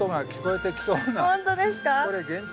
本当ですか？